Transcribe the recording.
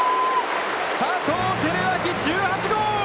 佐藤輝明、１８号！